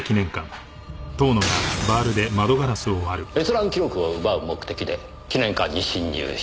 閲覧記録を奪う目的で記念館に侵入した。